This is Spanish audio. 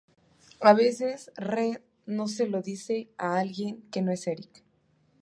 A veces Red se lo dice a alguien que no es Eric.